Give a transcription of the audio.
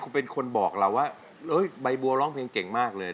คุณเป็นคนบอกเราว่าใบบัวร้องเพลงเก่งมากเลย